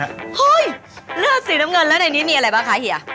เฮ้ยเลือดสีน้ำเงินแล้วในนี้มีอะไรบ้างคะเฮีย